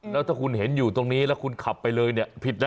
แล้วถ้าคุณเห็นอยู่ตรงนี้แล้วคุณขับไปเลยเนี่ยผิดนะ